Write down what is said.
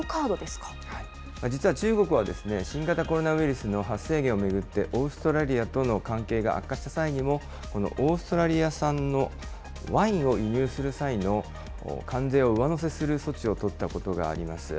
実は中国はですね、新型コロナウイルスの発生源を巡って、オーストラリアとの関係が悪化した際にも、このオーストラリア産のワインを輸入する際の関税を上乗せする措置を取ったことがあります。